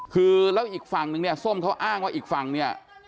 คือแล้วอีกฝั่งนึงเนี่ยส้มเขาอ้างว่าอีกฝั่งเนี่ย